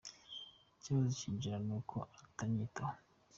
Ikibazo njyira nuko utanyitaho.